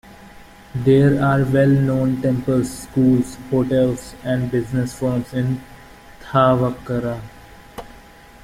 There are well known temples, schools, hotels and business firms in Thavakkara.